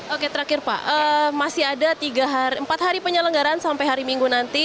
oke terakhir pak masih ada empat hari penyelenggaran sampai hari minggu nanti